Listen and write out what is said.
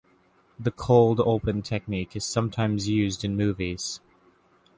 The cold open technique is sometimes used in movies.